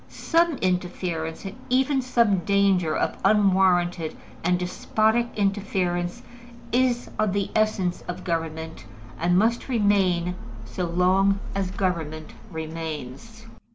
Some interference, and even some danger of unwarranted and despotic interference, is of the essence of government, and must remain so long as government remains.